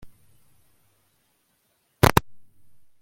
nibyo bikubabaje byonyine